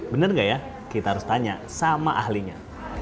bener gak ya kita harus tanya sama ahlinya